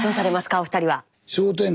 お二人は。